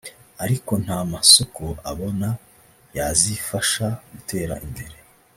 ariko nta masoko abona yazifasha gutera imbere